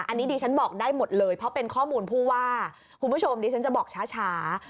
อันนี้ดิฉันบอกได้หมดเลยเพราะเป็นข้อมูลผู้ว่าคุณผู้ชมดิฉันจะบอกช้า